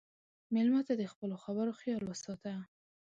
مېلمه ته د خپلو خبرو خیال وساته.